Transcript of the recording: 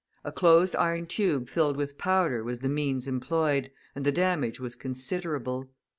A closed iron tube filled with powder was the means employed, and the damage was considerable.